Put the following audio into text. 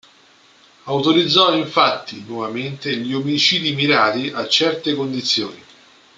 Autorizzò infatti nuovamente gli "omicidi mirati" a certe condizioni.